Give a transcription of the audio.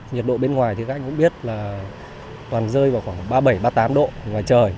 nhiệt độ bên ngoài thì các anh cũng biết là toàn rơi vào khoảng ba mươi bảy ba mươi tám độ ngoài trời